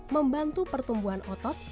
membantu pertumbuhan otot